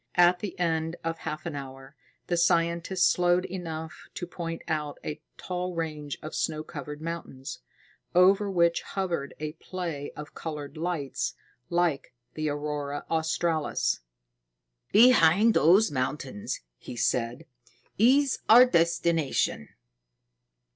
At the end of half an hour, the scientist slowed enough to point out a tall range of snow covered mountains, over which hovered a play of colored lights like the aurora australis. "Behind those mountains," he said, "is our destination."